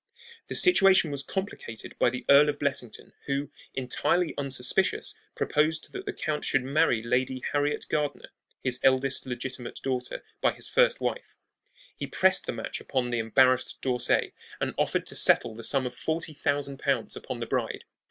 The situation was complicated by the Earl of Blessington, who, entirely unsuspicious, proposed that the Count should marry Lady Harriet Gardiner, his eldest legitimate daughter by his first wife. He pressed the match upon the embarrassed D'Orsay, and offered to settle the sum of forty thousand pounds upon the bride.